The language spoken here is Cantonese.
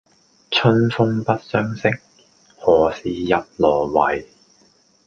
春風不相識，何事入羅幃